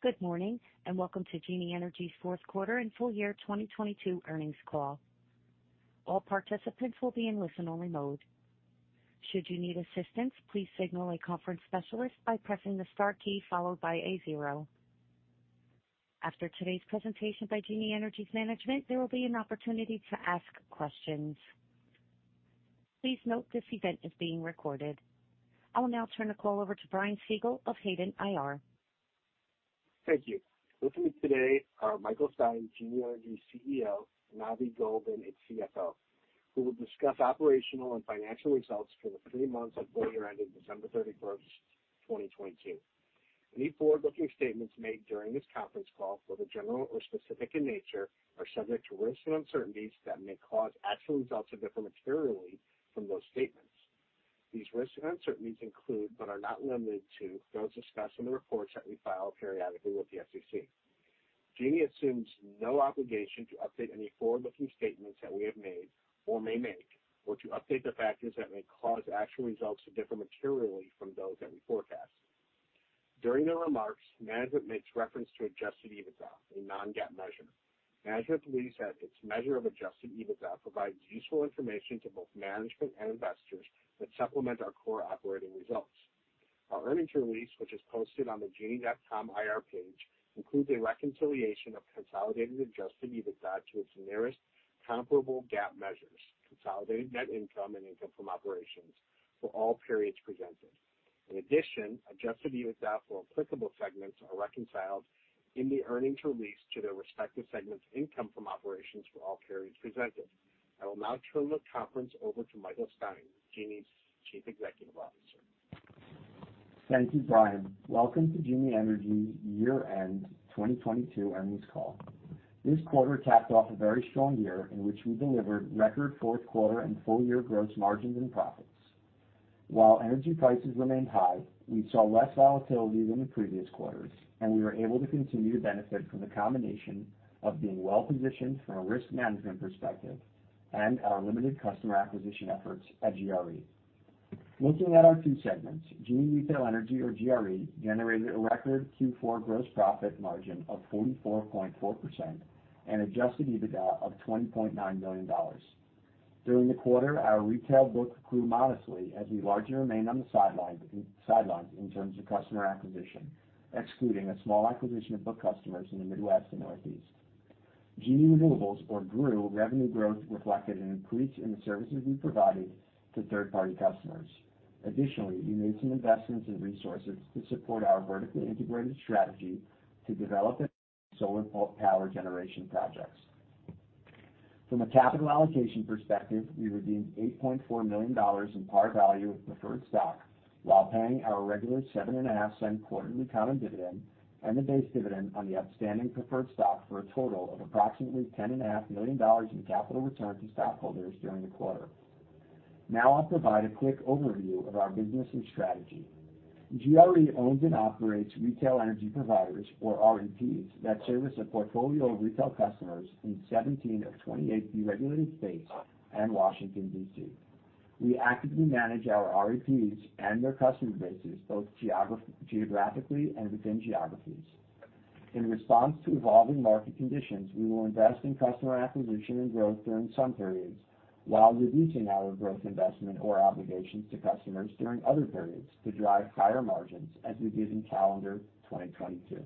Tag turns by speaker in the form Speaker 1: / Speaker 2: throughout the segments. Speaker 1: Good morning. Welcome to Genie Energy's fourth quarter and full year 2022 earnings call. All participants will be in listen-only mode. Should you need assistance, please signal a conference specialist by pressing the star key followed by a zero. After today's presentation by Genie Energy's management, there will be an opportunity to ask questions. Please note this event is being recorded. I will now turn the call over to Brian Siegel of Hayden IR.
Speaker 2: Thank you. With me today are Michael Stein, Genie Energy CEO, and Avi Goldin, its CFO, who will discuss operational and financial results for the three months and full year ending December 31, 2022. Any forward-looking statements made during this conference call, whether general or specific in nature, are subject to risks and uncertainties that may cause actual results to differ materially from those statements. These risks and uncertainties include, but are not limited to, those discussed in the reports that we file periodically with the SEC. Genie assumes no obligation to update any forward-looking statements that we have made or may make, or to update the factors that may cause actual results to differ materially from those that we forecast. During their remarks, management makes reference to adjusted EBITDA, a non-GAAP measure. Management believes that its measure of adjusted EBITDA provides useful information to both management and investors that supplement our core operating results. Our earnings release, which is posted on the genie.com IR page, includes a reconciliation of consolidated adjusted EBITDA to its nearest comparable GAAP measures, consolidated net income, and income from operations for all periods presented. In addition, adjusted EBITDA for applicable segments are reconciled in the earnings release to their respective segment's income from operations for all periods presented. I will now turn the conference over to Michael Stein, Genie's Chief Executive Officer.
Speaker 3: Thank you, Brian. Welcome to Genie Energy year-end 2022 earnings call. This quarter capped off a very strong year in which we delivered record fourth quarter and full-year gross margins and profits. While energy prices remained high, we saw less volatility than in previous quarters, and we were able to continue to benefit from the combination of being well-positioned from a risk management perspective and our limited customer acquisition efforts at GRE. Looking at our two segments, Genie Retail Energy, or GRE, generated a record Q4 gross profit margin of 44.4% and adjusted EBITDA of $20.9 million. During the quarter, our retail book grew modestly as we largely remained on the sidelines in terms of customer acquisition, excluding a small acquisition of book customers in the Midwest and Northeast. Genie Renewables, or GREW, revenue growth reflected an increase in the services we provided to third-party customers. We made some investments in resources to support our vertically integrated strategy to develop solar power generation projects. From a capital allocation perspective, we redeemed $8.4 million in par value of preferred stock while paying our regular $0.075 quarterly common dividend and the base dividend on the upstanding preferred stock for a total of approximately $10.5 million in capital return to stockholders during the quarter. I'll provide a quick overview of our business and strategy. GRE owns and operates retail energy providers, or REPs, that service a portfolio of retail customers in 17 of 28 deregulated states and Washington, D.C. We actively manage our REPs and their customer bases, both geographically and within geographies. In response to evolving market conditions, we will invest in customer acquisition and growth during some periods while reducing our growth investment or obligations to customers during other periods to drive higher margins as we did in calendar 2022.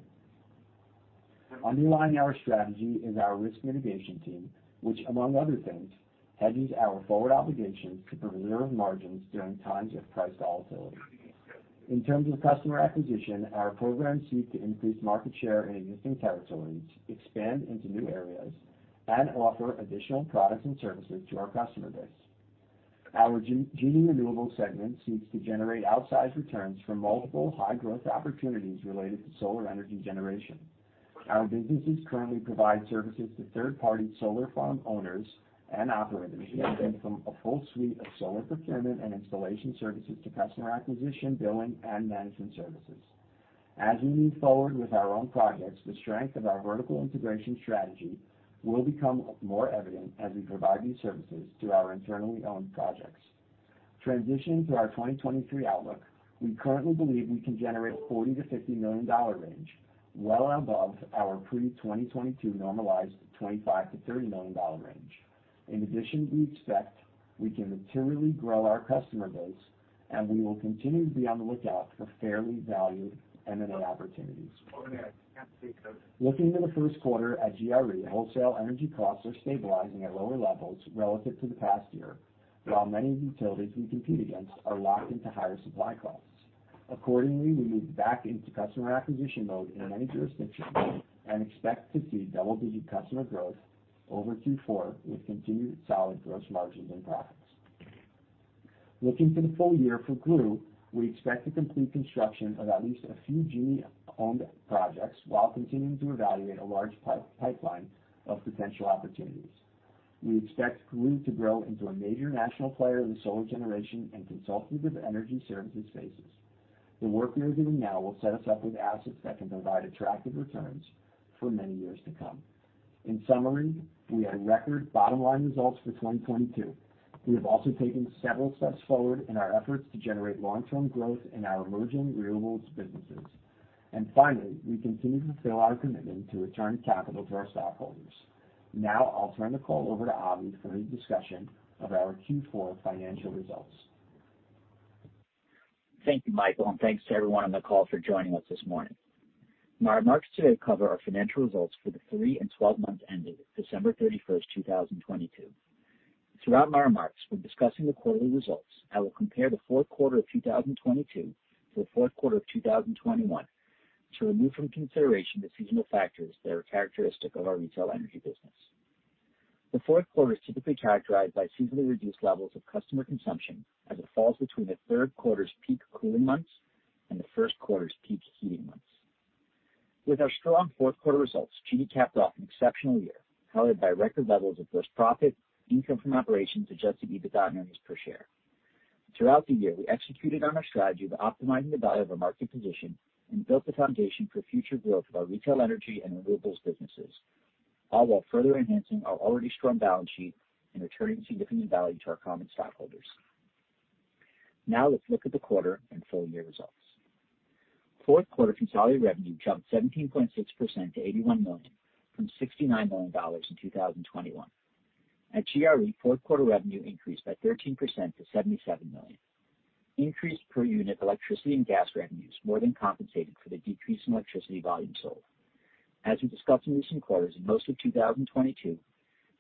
Speaker 3: Underlining our strategy is our risk mitigation team, which among other things, hedges our forward obligations to preserve margins during times of price volatility. In terms of customer acquisition, our programs seek to increase market share in existing territories, expand into new areas, and offer additional products and services to our customer base. Our Genie Renewables segment seeks to generate outsized returns from multiple high-growth opportunities related to solar energy generation. Our businesses currently provide services to third-party solar farm owners and operators, ranging from a full suite of solar procurement and installation services to customer acquisition, billing, and management services. As we move forward with our own projects, the strength of our vertical integration strategy will become more evident as we provide these services to our internally owned projects. Transitioning to our 2023 outlook, we currently believe we can generate $40 million-$50 million range, well above our pre-2022 normalized $25 million-$30 million range. We expect we can materially grow our customer base, and we will continue to be on the lookout for fairly valued M&A opportunities. Looking to the first quarter at GRE, wholesale energy costs are stabilizing at lower levels relative to the past year, while many of the utilities we compete against are locked into higher supply costs. We moved back into customer acquisition mode in many jurisdictions and expect to see double-digit customer growth over Q4 with continued solid gross margins and profits. Looking to the full year for GREW, we expect to complete construction of at least a few Genie-owned projects while continuing to evaluate a large pipeline of potential opportunities. We expect GREW to grow into a major national player in solar generation and consultative energy services spaces. The work we are doing now will set us up with assets that can provide attractive returns for many years to come. In summary, we had record bottom line results for 2022. We have also taken several steps forward in our efforts to generate long-term growth in our emerging renewables businesses. Finally, we continue to fulfill our commitment to return capital to our stockholders. Now I'll turn the call over to Avi for the discussion of our Q4 financial results.
Speaker 4: Thank you, Michael, and thanks to everyone on the call for joining us this morning. My remarks today cover our financial results for the three and 12 months ending December 31, 2022. Throughout my remarks, when discussing the quarterly results, I will compare the fourth quarter of 2022 to the fourth quarter of 2021 to remove from consideration the seasonal factors that are characteristic of our retail energy business. The fourth quarter is typically characterized by seasonally reduced levels of customer consumption as it falls between the third quarter's peak cooling months and the first quarter's peak heating months. With our strong fourth quarter results, Genie capped off an exceptional year, powered by record levels of gross profit, income from operations, adjusted EBITDA, and earnings per share. Throughout the year, we executed on our strategy of optimizing the value of our market position and built the foundation for future growth of our Retail Energy and Renewables businesses, all while further enhancing our already strong balance sheet and returning significant value to our common stockholders. Let's look at the quarter and full-year results. Fourth quarter consolidated revenue jumped 17.6%-$81 million from $69 million in 2021. At GRE, fourth quarter revenue increased by 13%-$77 million. Increase per unit electricity and gas revenues more than compensated for the decrease in electricity volume sold. As we discussed in recent quarters, in most of 2022,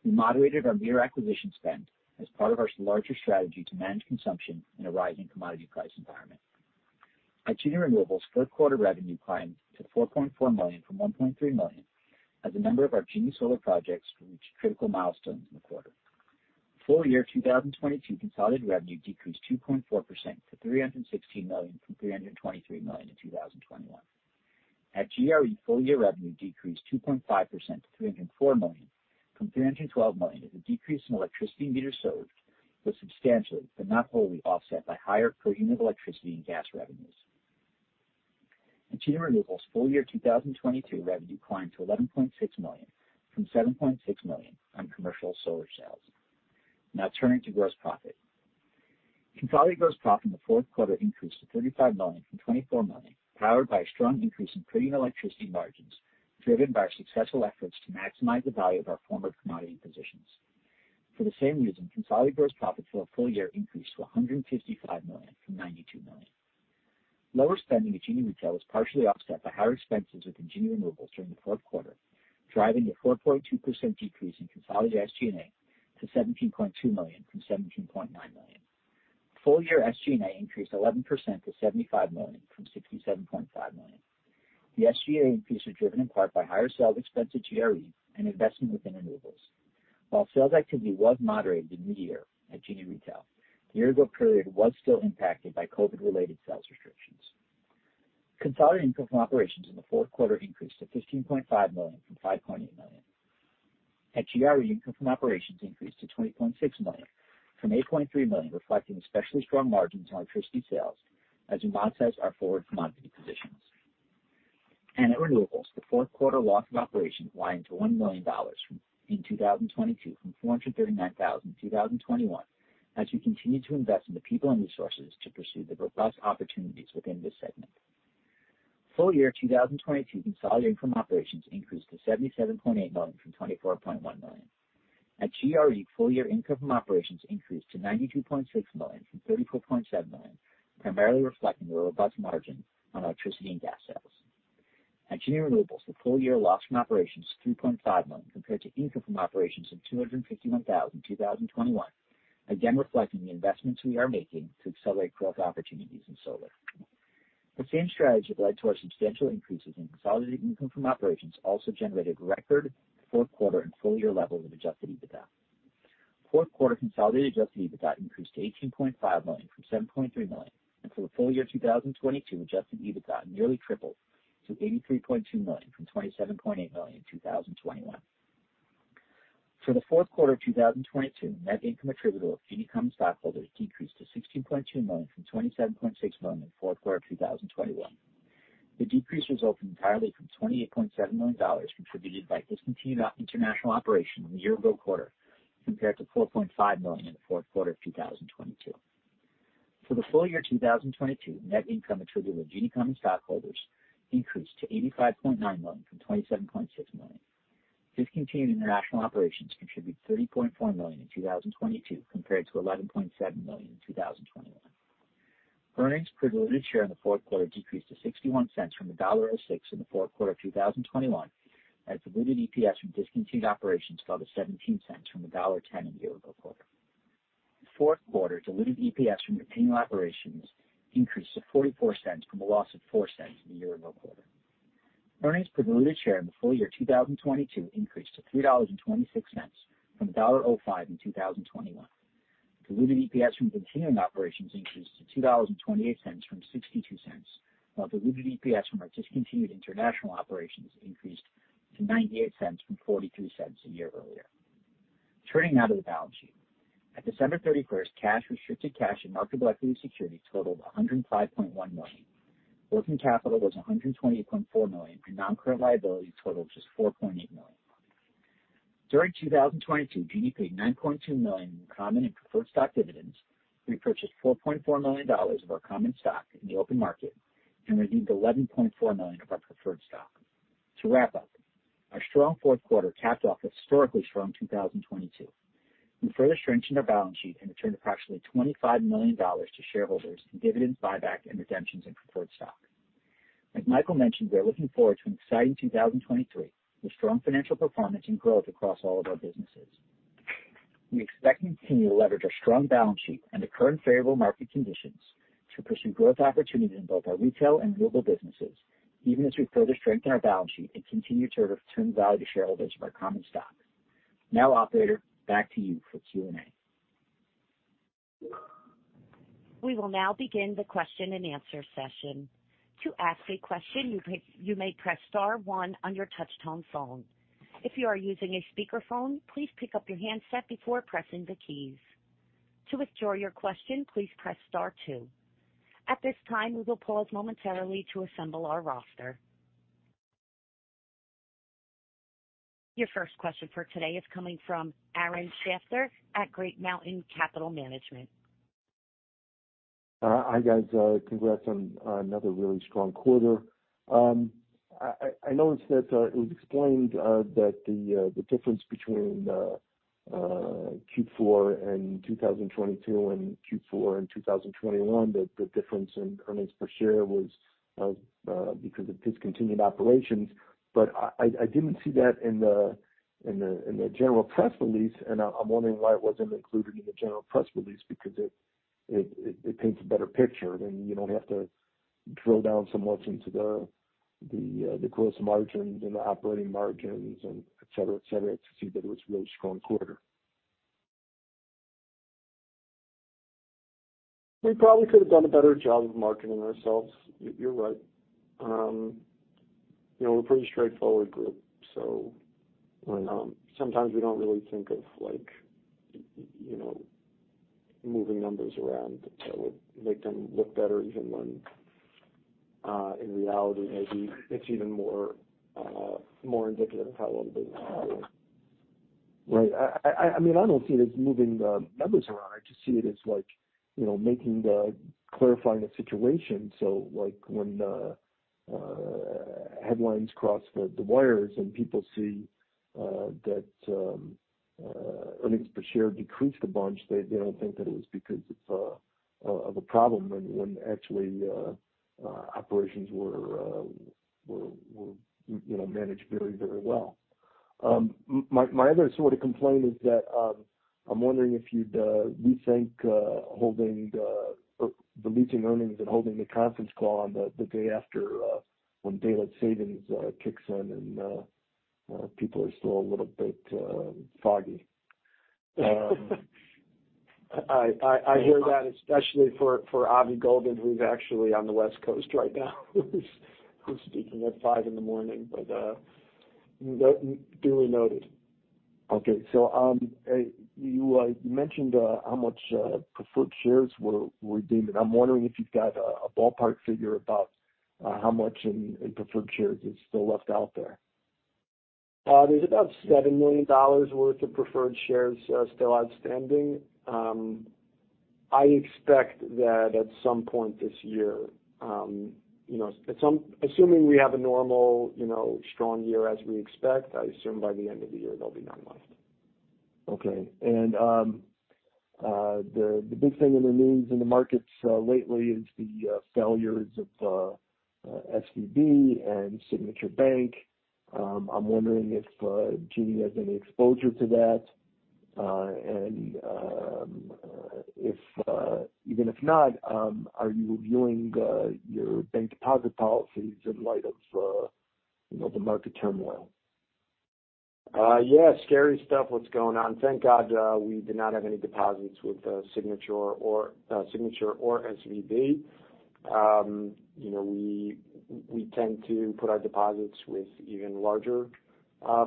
Speaker 4: we moderated our mere acquisition spend as part of our larger strategy to manage consumption in a rising commodity price environment. At Genie Renewables, fourth quarter revenue climbed to $4.4 million from $1.3 million as a number of our Genie Solar projects reached critical milestones in the quarter. Full year 2022 consolidated revenue decreased 2.4%-$316 million from $323 million in 2021. At GRE, full-year revenue decreased 2.5% to $304 million from $312 million as a decrease in electricity meters sold was substantially, but not wholly, offset by higher per unit electricity and gas revenues. At Genie Renewables, full year 2022 revenue climbed to $11.6 million from $7.6 million on commercial solar sales. Turning to gross profit. Consolidated gross profit in the fourth quarter increased to $35 million from $24 million, powered by a strong increase in per unit electricity margins, driven by our successful efforts to maximize the value of our former commodity positions. For the same reason, consolidated gross profit for the full year increased to $155 million from $92 million. Lower spending at Genie Retail was partially offset by higher expenses within Genie Renewables during the fourth quarter, driving the 4.2% decrease in consolidated SG&A to $17.2 million from $17.9 million. Full year SG&A increased 11%-$75 million from $67.5 million. The SG&A increase was driven in part by higher sales expense at GRE and investment within renewables. While sales activity was moderated in the year at Genie Retail, the year-ago period was still impacted by COVID-related sales restrictions. Consolidated income from operations in the fourth quarter increased to $15.5 million from $5.8 million. At GRE, income from operations increased to $20.6 million from $8.3 million, reflecting especially strong margins on electricity sales as we monetize our forward commodity positions. At Renewables, the fourth quarter loss from operations widened to $1 million in 2022 from $439,000 in 2021, as we continue to invest in the people and resources to pursue the robust opportunities within this segment. Full year 2022 consolidated income from operations increased to $77.8 million from $24.1 million. At GRE, full year income from operations increased to $92.6 million from $34.7 million, primarily reflecting the robust margin on electricity and gas sales. At Genie Renewables, the full year loss from operations was $3.5 million compared to income from operations of $251,000 in 2021, again reflecting the investments we are making to accelerate growth opportunities in solar. The same strategy that led to our substantial increases in consolidated income from operations also generated record fourth quarter and full year levels of adjusted EBITDA. Fourth quarter consolidated adjusted EBITDA increased to $18.5 million from $7.3 million. For the full year 2022, adjusted EBITDA nearly tripled to $83.2 million from $27.8 million in 2021. For the fourth quarter of 2022, net income attributable to Genie common stockholders decreased to $16.2 million from $27.6 million in the fourth quarter of 2021. The decrease resulted entirely from $28.7 million contributed by discontinued international operations in the year-ago quarter compared to $4.5 million in the fourth quarter of 2022. For the full year 2022, net income attributable to Genie common stockholders increased to $85.9 million from $27.6 million. Discontinued international operations contributed $30.4 million in 2022 compared to $11.7 million in 2021. Earnings per diluted share in the fourth quarter decreased to $0.61 from $1.06 in the fourth quarter of 2021 as diluted EPS from discontinued operations fell to $0.17 from $1.10 in the year-ago quarter. The fourth quarter diluted EPS from continuing operations increased to $0.44 from a loss of $0.04 in the year-ago quarter. Earnings per diluted share in the full year 2022 increased to $3.26 from $1.05 in 2021. Diluted EPS from continuing operations increased to $2.28 from $0.62, while diluted EPS from our discontinued international operations increased to $0.98 from $0.42 a year earlier. Turning now to the balance sheet. At December 31st, cash, restricted cash, and marketable equity securities totaled $105.1 million. Working capital was $128.4 million, and non-current liabilities totaled just $4.8 million. During 2022, GNE paid $9.2 million in common and preferred stock dividends, repurchased $4.4 million of our common stock in the open market, and received $11.4 million of our preferred stock. To wrap up, our strong fourth quarter capped off a historically strong 2022. We further strengthened our balance sheet and returned approximately $25 million to shareholders in dividends, buyback, and redemptions in preferred stock. Like Michael mentioned, we are looking forward to an exciting 2023 with strong financial performance and growth across all of our businesses. We expect to continue to leverage our strong balance sheet and the current favorable market conditions to pursue growth opportunities in both our retail and renewable businesses, even as we further strengthen our balance sheet and continue to return value to shareholders of our common stock. Operator, back to you for Q&A.
Speaker 1: We will now begin the question-and-answer session. To ask a question, you may press star one on your touchtone phone. If you are using a speakerphone, please pick up your handset before pressing the keys. To withdraw your question, please press star two. At this time, we will pause momentarily to assemble our roster. Your first question for today is coming from Aaron Shafter at Great Mountain Capital Management.
Speaker 5: Hi, guys. Congrats on another really strong quarter. I noticed that it was explained that the difference between Q4 2022 and Q4 2021, the difference in earnings per share was because of discontinued operations. I didn't see that in the general press release, and I'm wondering why it wasn't included in the general press release because it paints a better picture. You don't have to drill down so much into the gross margins and the operating margins and et cetera to see that it was a really strong quarter.
Speaker 3: We probably could have done a better job of marketing ourselves. You're right. You know, we're a pretty straightforward group.
Speaker 5: Right...
Speaker 3: sometimes we don't really think of like, you know, moving numbers around that would make them look better even when in reality maybe it's even more, more indicative of how well the business is doing.
Speaker 5: Right. I mean, I don't see it as moving the numbers around. I just see it as like, you know, clarifying the situation. Like when the headlines cross the wires and people see that earnings per share decreased a bunch, they don't think that it was because of a problem when actually operations were, you know, managed very, very well. My other sort of complaint is that I'm wondering if you'd rethink holding or releasing earnings and holding the conference call on the day after when daylight savings kicks in and people are still a little bit foggy.
Speaker 3: I hear that, especially for Avi Goldin, who's actually on the West Coast right now, who's speaking at 5:00 A.M. That. Duly noted.
Speaker 5: Okay. You mentioned how much preferred shares were redeemed, and I'm wondering if you've got a ballpark figure about how much in preferred shares is still left out there?
Speaker 3: There's about $7 million worth of preferred shares still outstanding. I expect that at some point this year, you know, assuming we have a normal, you know, strong year as we expect, I assume by the end of the year, there'll be none left.
Speaker 5: Okay. The big thing in the news in the markets lately is the failures of SVB and Signature Bank. I'm wondering if GNE has any exposure to that? If even if not, are you reviewing your bank deposit policies in light of, you know, the market turmoil?
Speaker 3: Yeah. Scary stuff what's going on. Thank God, we did not have any deposits with Signature or SVB. You know, we tend to put our deposits with even larger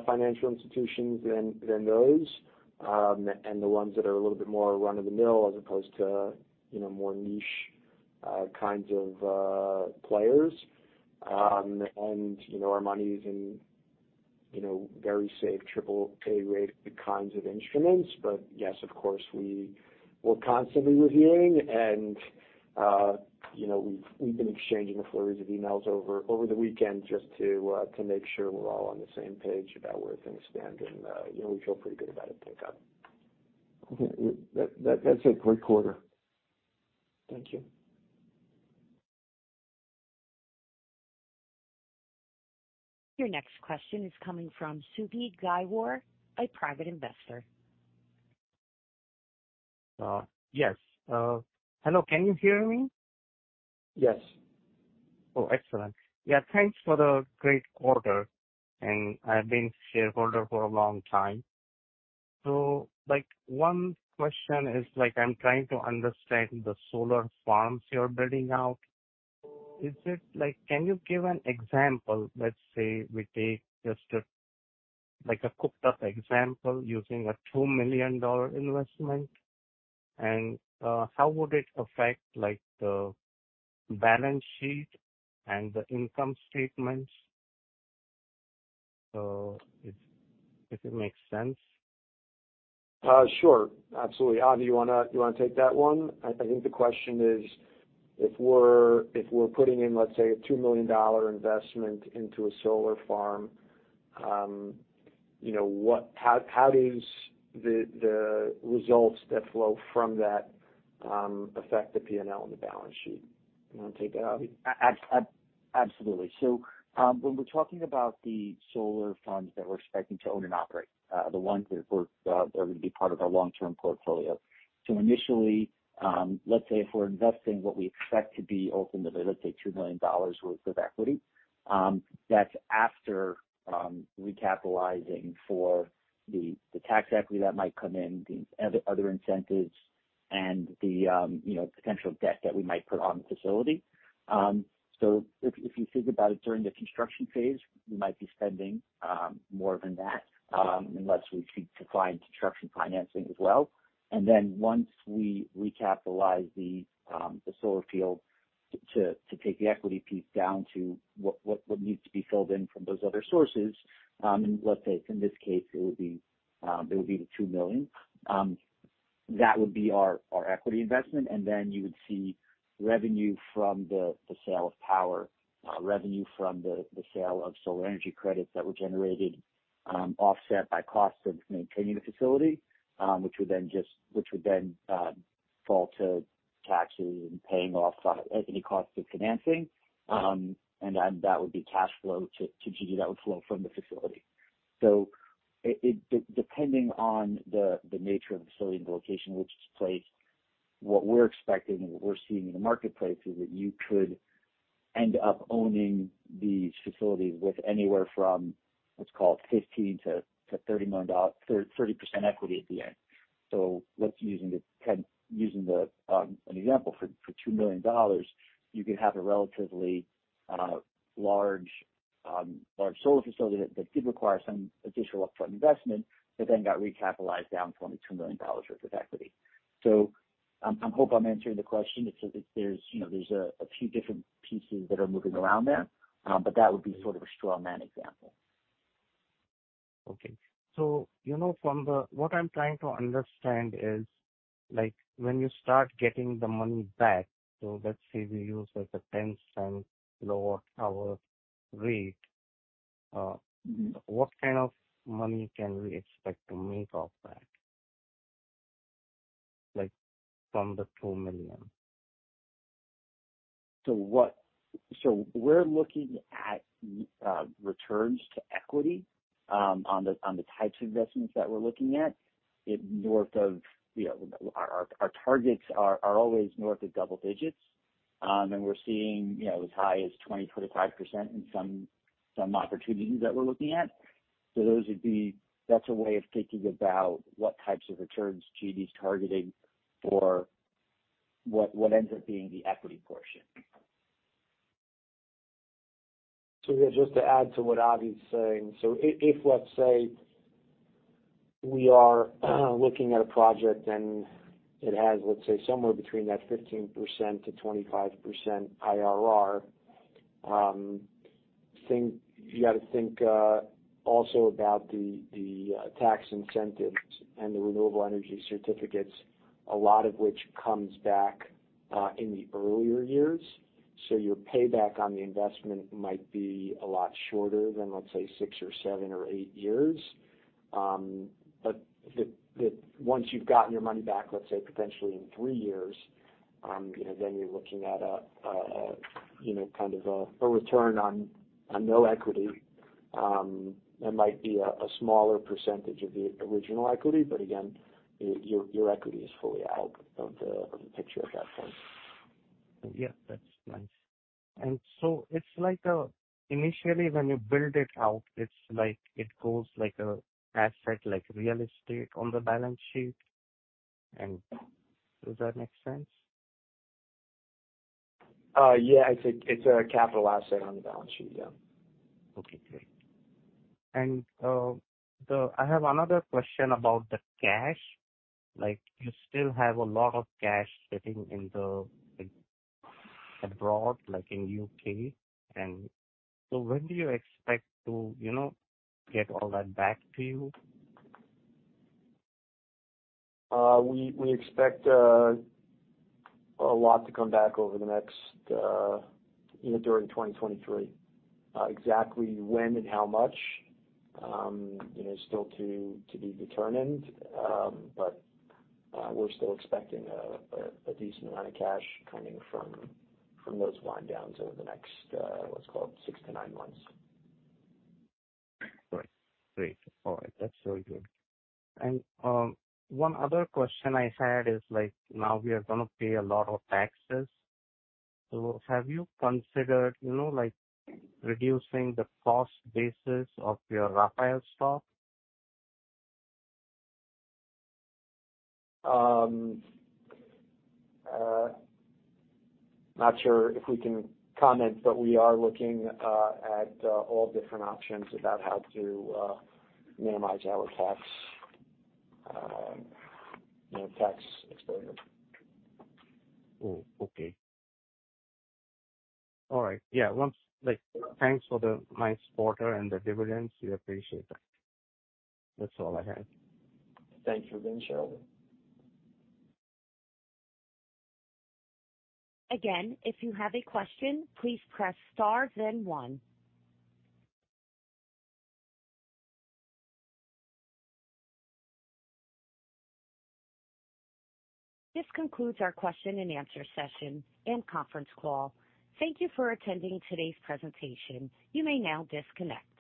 Speaker 3: financial institutions than those, and the ones that are a little bit more run-of-the-mill as opposed to, you know, more niche kinds of players. You know, our money's in, you know, very safe triple A-rated kinds of instruments. Yes, of course, we're constantly reviewing and, you know, we've been exchanging a flurry of emails over the weekend just to make sure we're all on the same page about where things stand. You know, we feel pretty good about it, thank God.
Speaker 5: Okay. That's a great quarter.
Speaker 3: Thank you.
Speaker 1: Your next question is coming from Subid Gaivor, a private investor.
Speaker 6: Yes. Hello, can you hear me?
Speaker 3: Yes.
Speaker 6: Oh, excellent. Yeah, thanks for the great quarter. I've been shareholder for a long time. Like, one question is like I'm trying to understand the solar farms you're building out. Can you give an example? Let's say we take just a, like a cooked up example using a $2 million investment. How would it affect, like, the balance sheet and the income statements? If, if it makes sense.
Speaker 3: Sure, absolutely. Avi, you wanna take that one? I think the question is if we're putting in, let's say, a $2 million investment into a solar farm, you know, how does the results that flow from that affect the P&L and the balance sheet? You wanna take that, Avi?
Speaker 4: Absolutely. When we're talking about the solar funds that we're expecting to own and operate, the ones that we're that are gonna be part of our long-term portfolio. Initially, let's say if we're investing what we expect to be open to, let's say, $2 million worth of equity, that's after recapitalizing for the tax equity that might come in, the other incentives and the, you know, potential debt that we might put on the facility. If you think about it during the construction phase, we might be spending more than that, unless we could define construction financing as well. Then once we recapitalize the solar field to take the equity piece down to what needs to be filled in from those other sources, let's say in this case it would be the $2 million. That would be our equity investment, and then you would see revenue from the sale of power, revenue from the sale of solar energy credits that were generated, offset by cost of maintaining the facility, which would then fall to taxes and paying off any costs of financing. Then that would be cash flow to GNE that would flow from the facility. Depending on the nature of the facility and the location in which it's placed, what we're expecting and what we're seeing in the marketplace is that you could end up owning these facilities with anywhere from what's called 15% to 30% equity at the end. Let's using an example for $2 million, you could have a relatively large solar facility that did require some additional upfront investment, but then got recapitalized down to only $2 million worth of equity. I hope I'm answering the question. It's just that there's, you know, there's a few different pieces that are moving around there, but that would be sort of a straw man example.
Speaker 6: Okay. You know, what I'm trying to understand is, like, when you start getting the money back, let's say we use like a $0.10 kilowatt hour rate.
Speaker 4: Mm-hmm.
Speaker 6: What kind of money can we expect to make off that? Like, from the $2 million.
Speaker 4: We're looking at returns to equity on the types of investments that we're looking at it north of, you know, our targets are always north of double digits. We're seeing, you know, as high as 20%-25% in some opportunities that we're looking at. Those would be... that's a way of thinking about what types of returns GNE's targeting for what ends up being the equity portion.
Speaker 3: Yeah, just to add to what Avi's saying. If, let's say we are looking at a project and it has, let's say, somewhere between that 15%-25% IRR, you gotta think also about the tax incentives and the renewable energy certificates, a lot of which comes back in the earlier years. Your payback on the investment might be a lot shorter than, let's say, six or seven or eight years. But the once you've gotten your money back, let's say potentially in three years, you know, then you're looking at a, you know, kind of a return on no equity. It might be a smaller percentage of the original equity, but again, your equity is fully out of the picture at that point.
Speaker 6: Yeah. That's nice. It's like, initially when you build it out, it's like it goes like a asset, like real estate on the balance sheet. Does that make sense?
Speaker 3: Yeah, it's a capital asset on the balance sheet. Yeah.
Speaker 6: Okay, great. I have another question about the cash. You still have a lot of cash sitting in the, abroad, in UK. When do you expect to, you know, get all that back to you?
Speaker 3: We expect a lot to come back over the next, you know, during 2023. Exactly when and how much, you know, is still to be determined. We're still expecting a decent amount of cash coming from those wind downs over the next, let's call it six to nine months.
Speaker 6: Great. All right. That's really good. One other question I had is, like, now we are gonna pay a lot of taxes. Have you considered, you know, like, reducing the cost basis of your our own stock?
Speaker 3: Not sure if we can comment, but we are looking at all different options about how to minimize our tax, you know, tax exposure.
Speaker 6: Oh, okay. All right. Yeah. Like, thanks for the nice quarter and the dividends. We appreciate that. That's all I had.
Speaker 3: Thanks for being sharing.
Speaker 1: If you have a question, please press star then one. This concludes our question and answer session and conference call. Thank you for attending today's presentation. You may now disconnect.